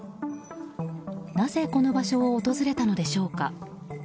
なぜこの場所を訪れたのでしょうか。